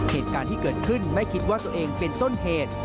เหตุการณ์ที่เกิดขึ้นไม่คิดว่าตัวเองเป็นต้นเหตุ